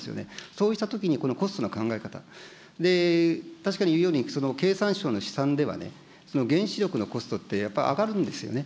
そうしたときのこのコストの考え方、確かに言うように、経産省の試算では、原子力のコストって、やっぱり上がるんですよね。